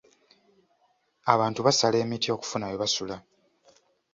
Abantu basala emiti okufuna we basula.